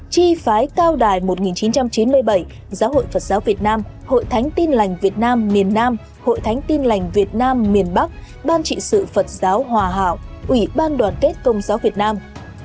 chi phái cao đài một nghìn chín trăm chín mươi bảy giáo hội phật giáo việt nam hội thánh tin lành việt nam miền nam hội thánh tin lành việt nam miền bắc ban trị sự phật giáo hòa hảo ủy ban đoàn kết công giáo việt nam